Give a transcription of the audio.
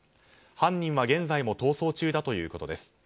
犯人は現在も逃走中だということです。